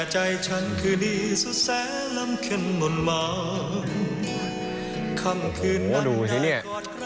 โหดูสิเนี่ย